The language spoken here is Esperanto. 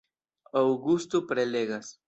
Aŭgusto prelegas.